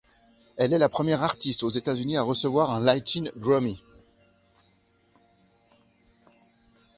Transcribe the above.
Elle est la première Artiste aux États-Unis à recevoir un Latin Grammy.